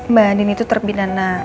mbak andin itu terbidana